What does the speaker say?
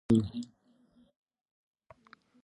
په پنځه مهمو ځانګړنو بحث کوو.